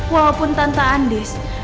walaupun tante andis